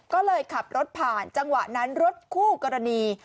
ก็เลยขับรถผ่านจังหวะนั้นรถคู่กรณี